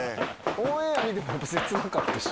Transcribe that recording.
オンエア見てもやっぱ切なかったし。